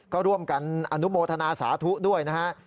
ก็ร่วมกันอนุโมทนาสาธุด้วยนะฮะ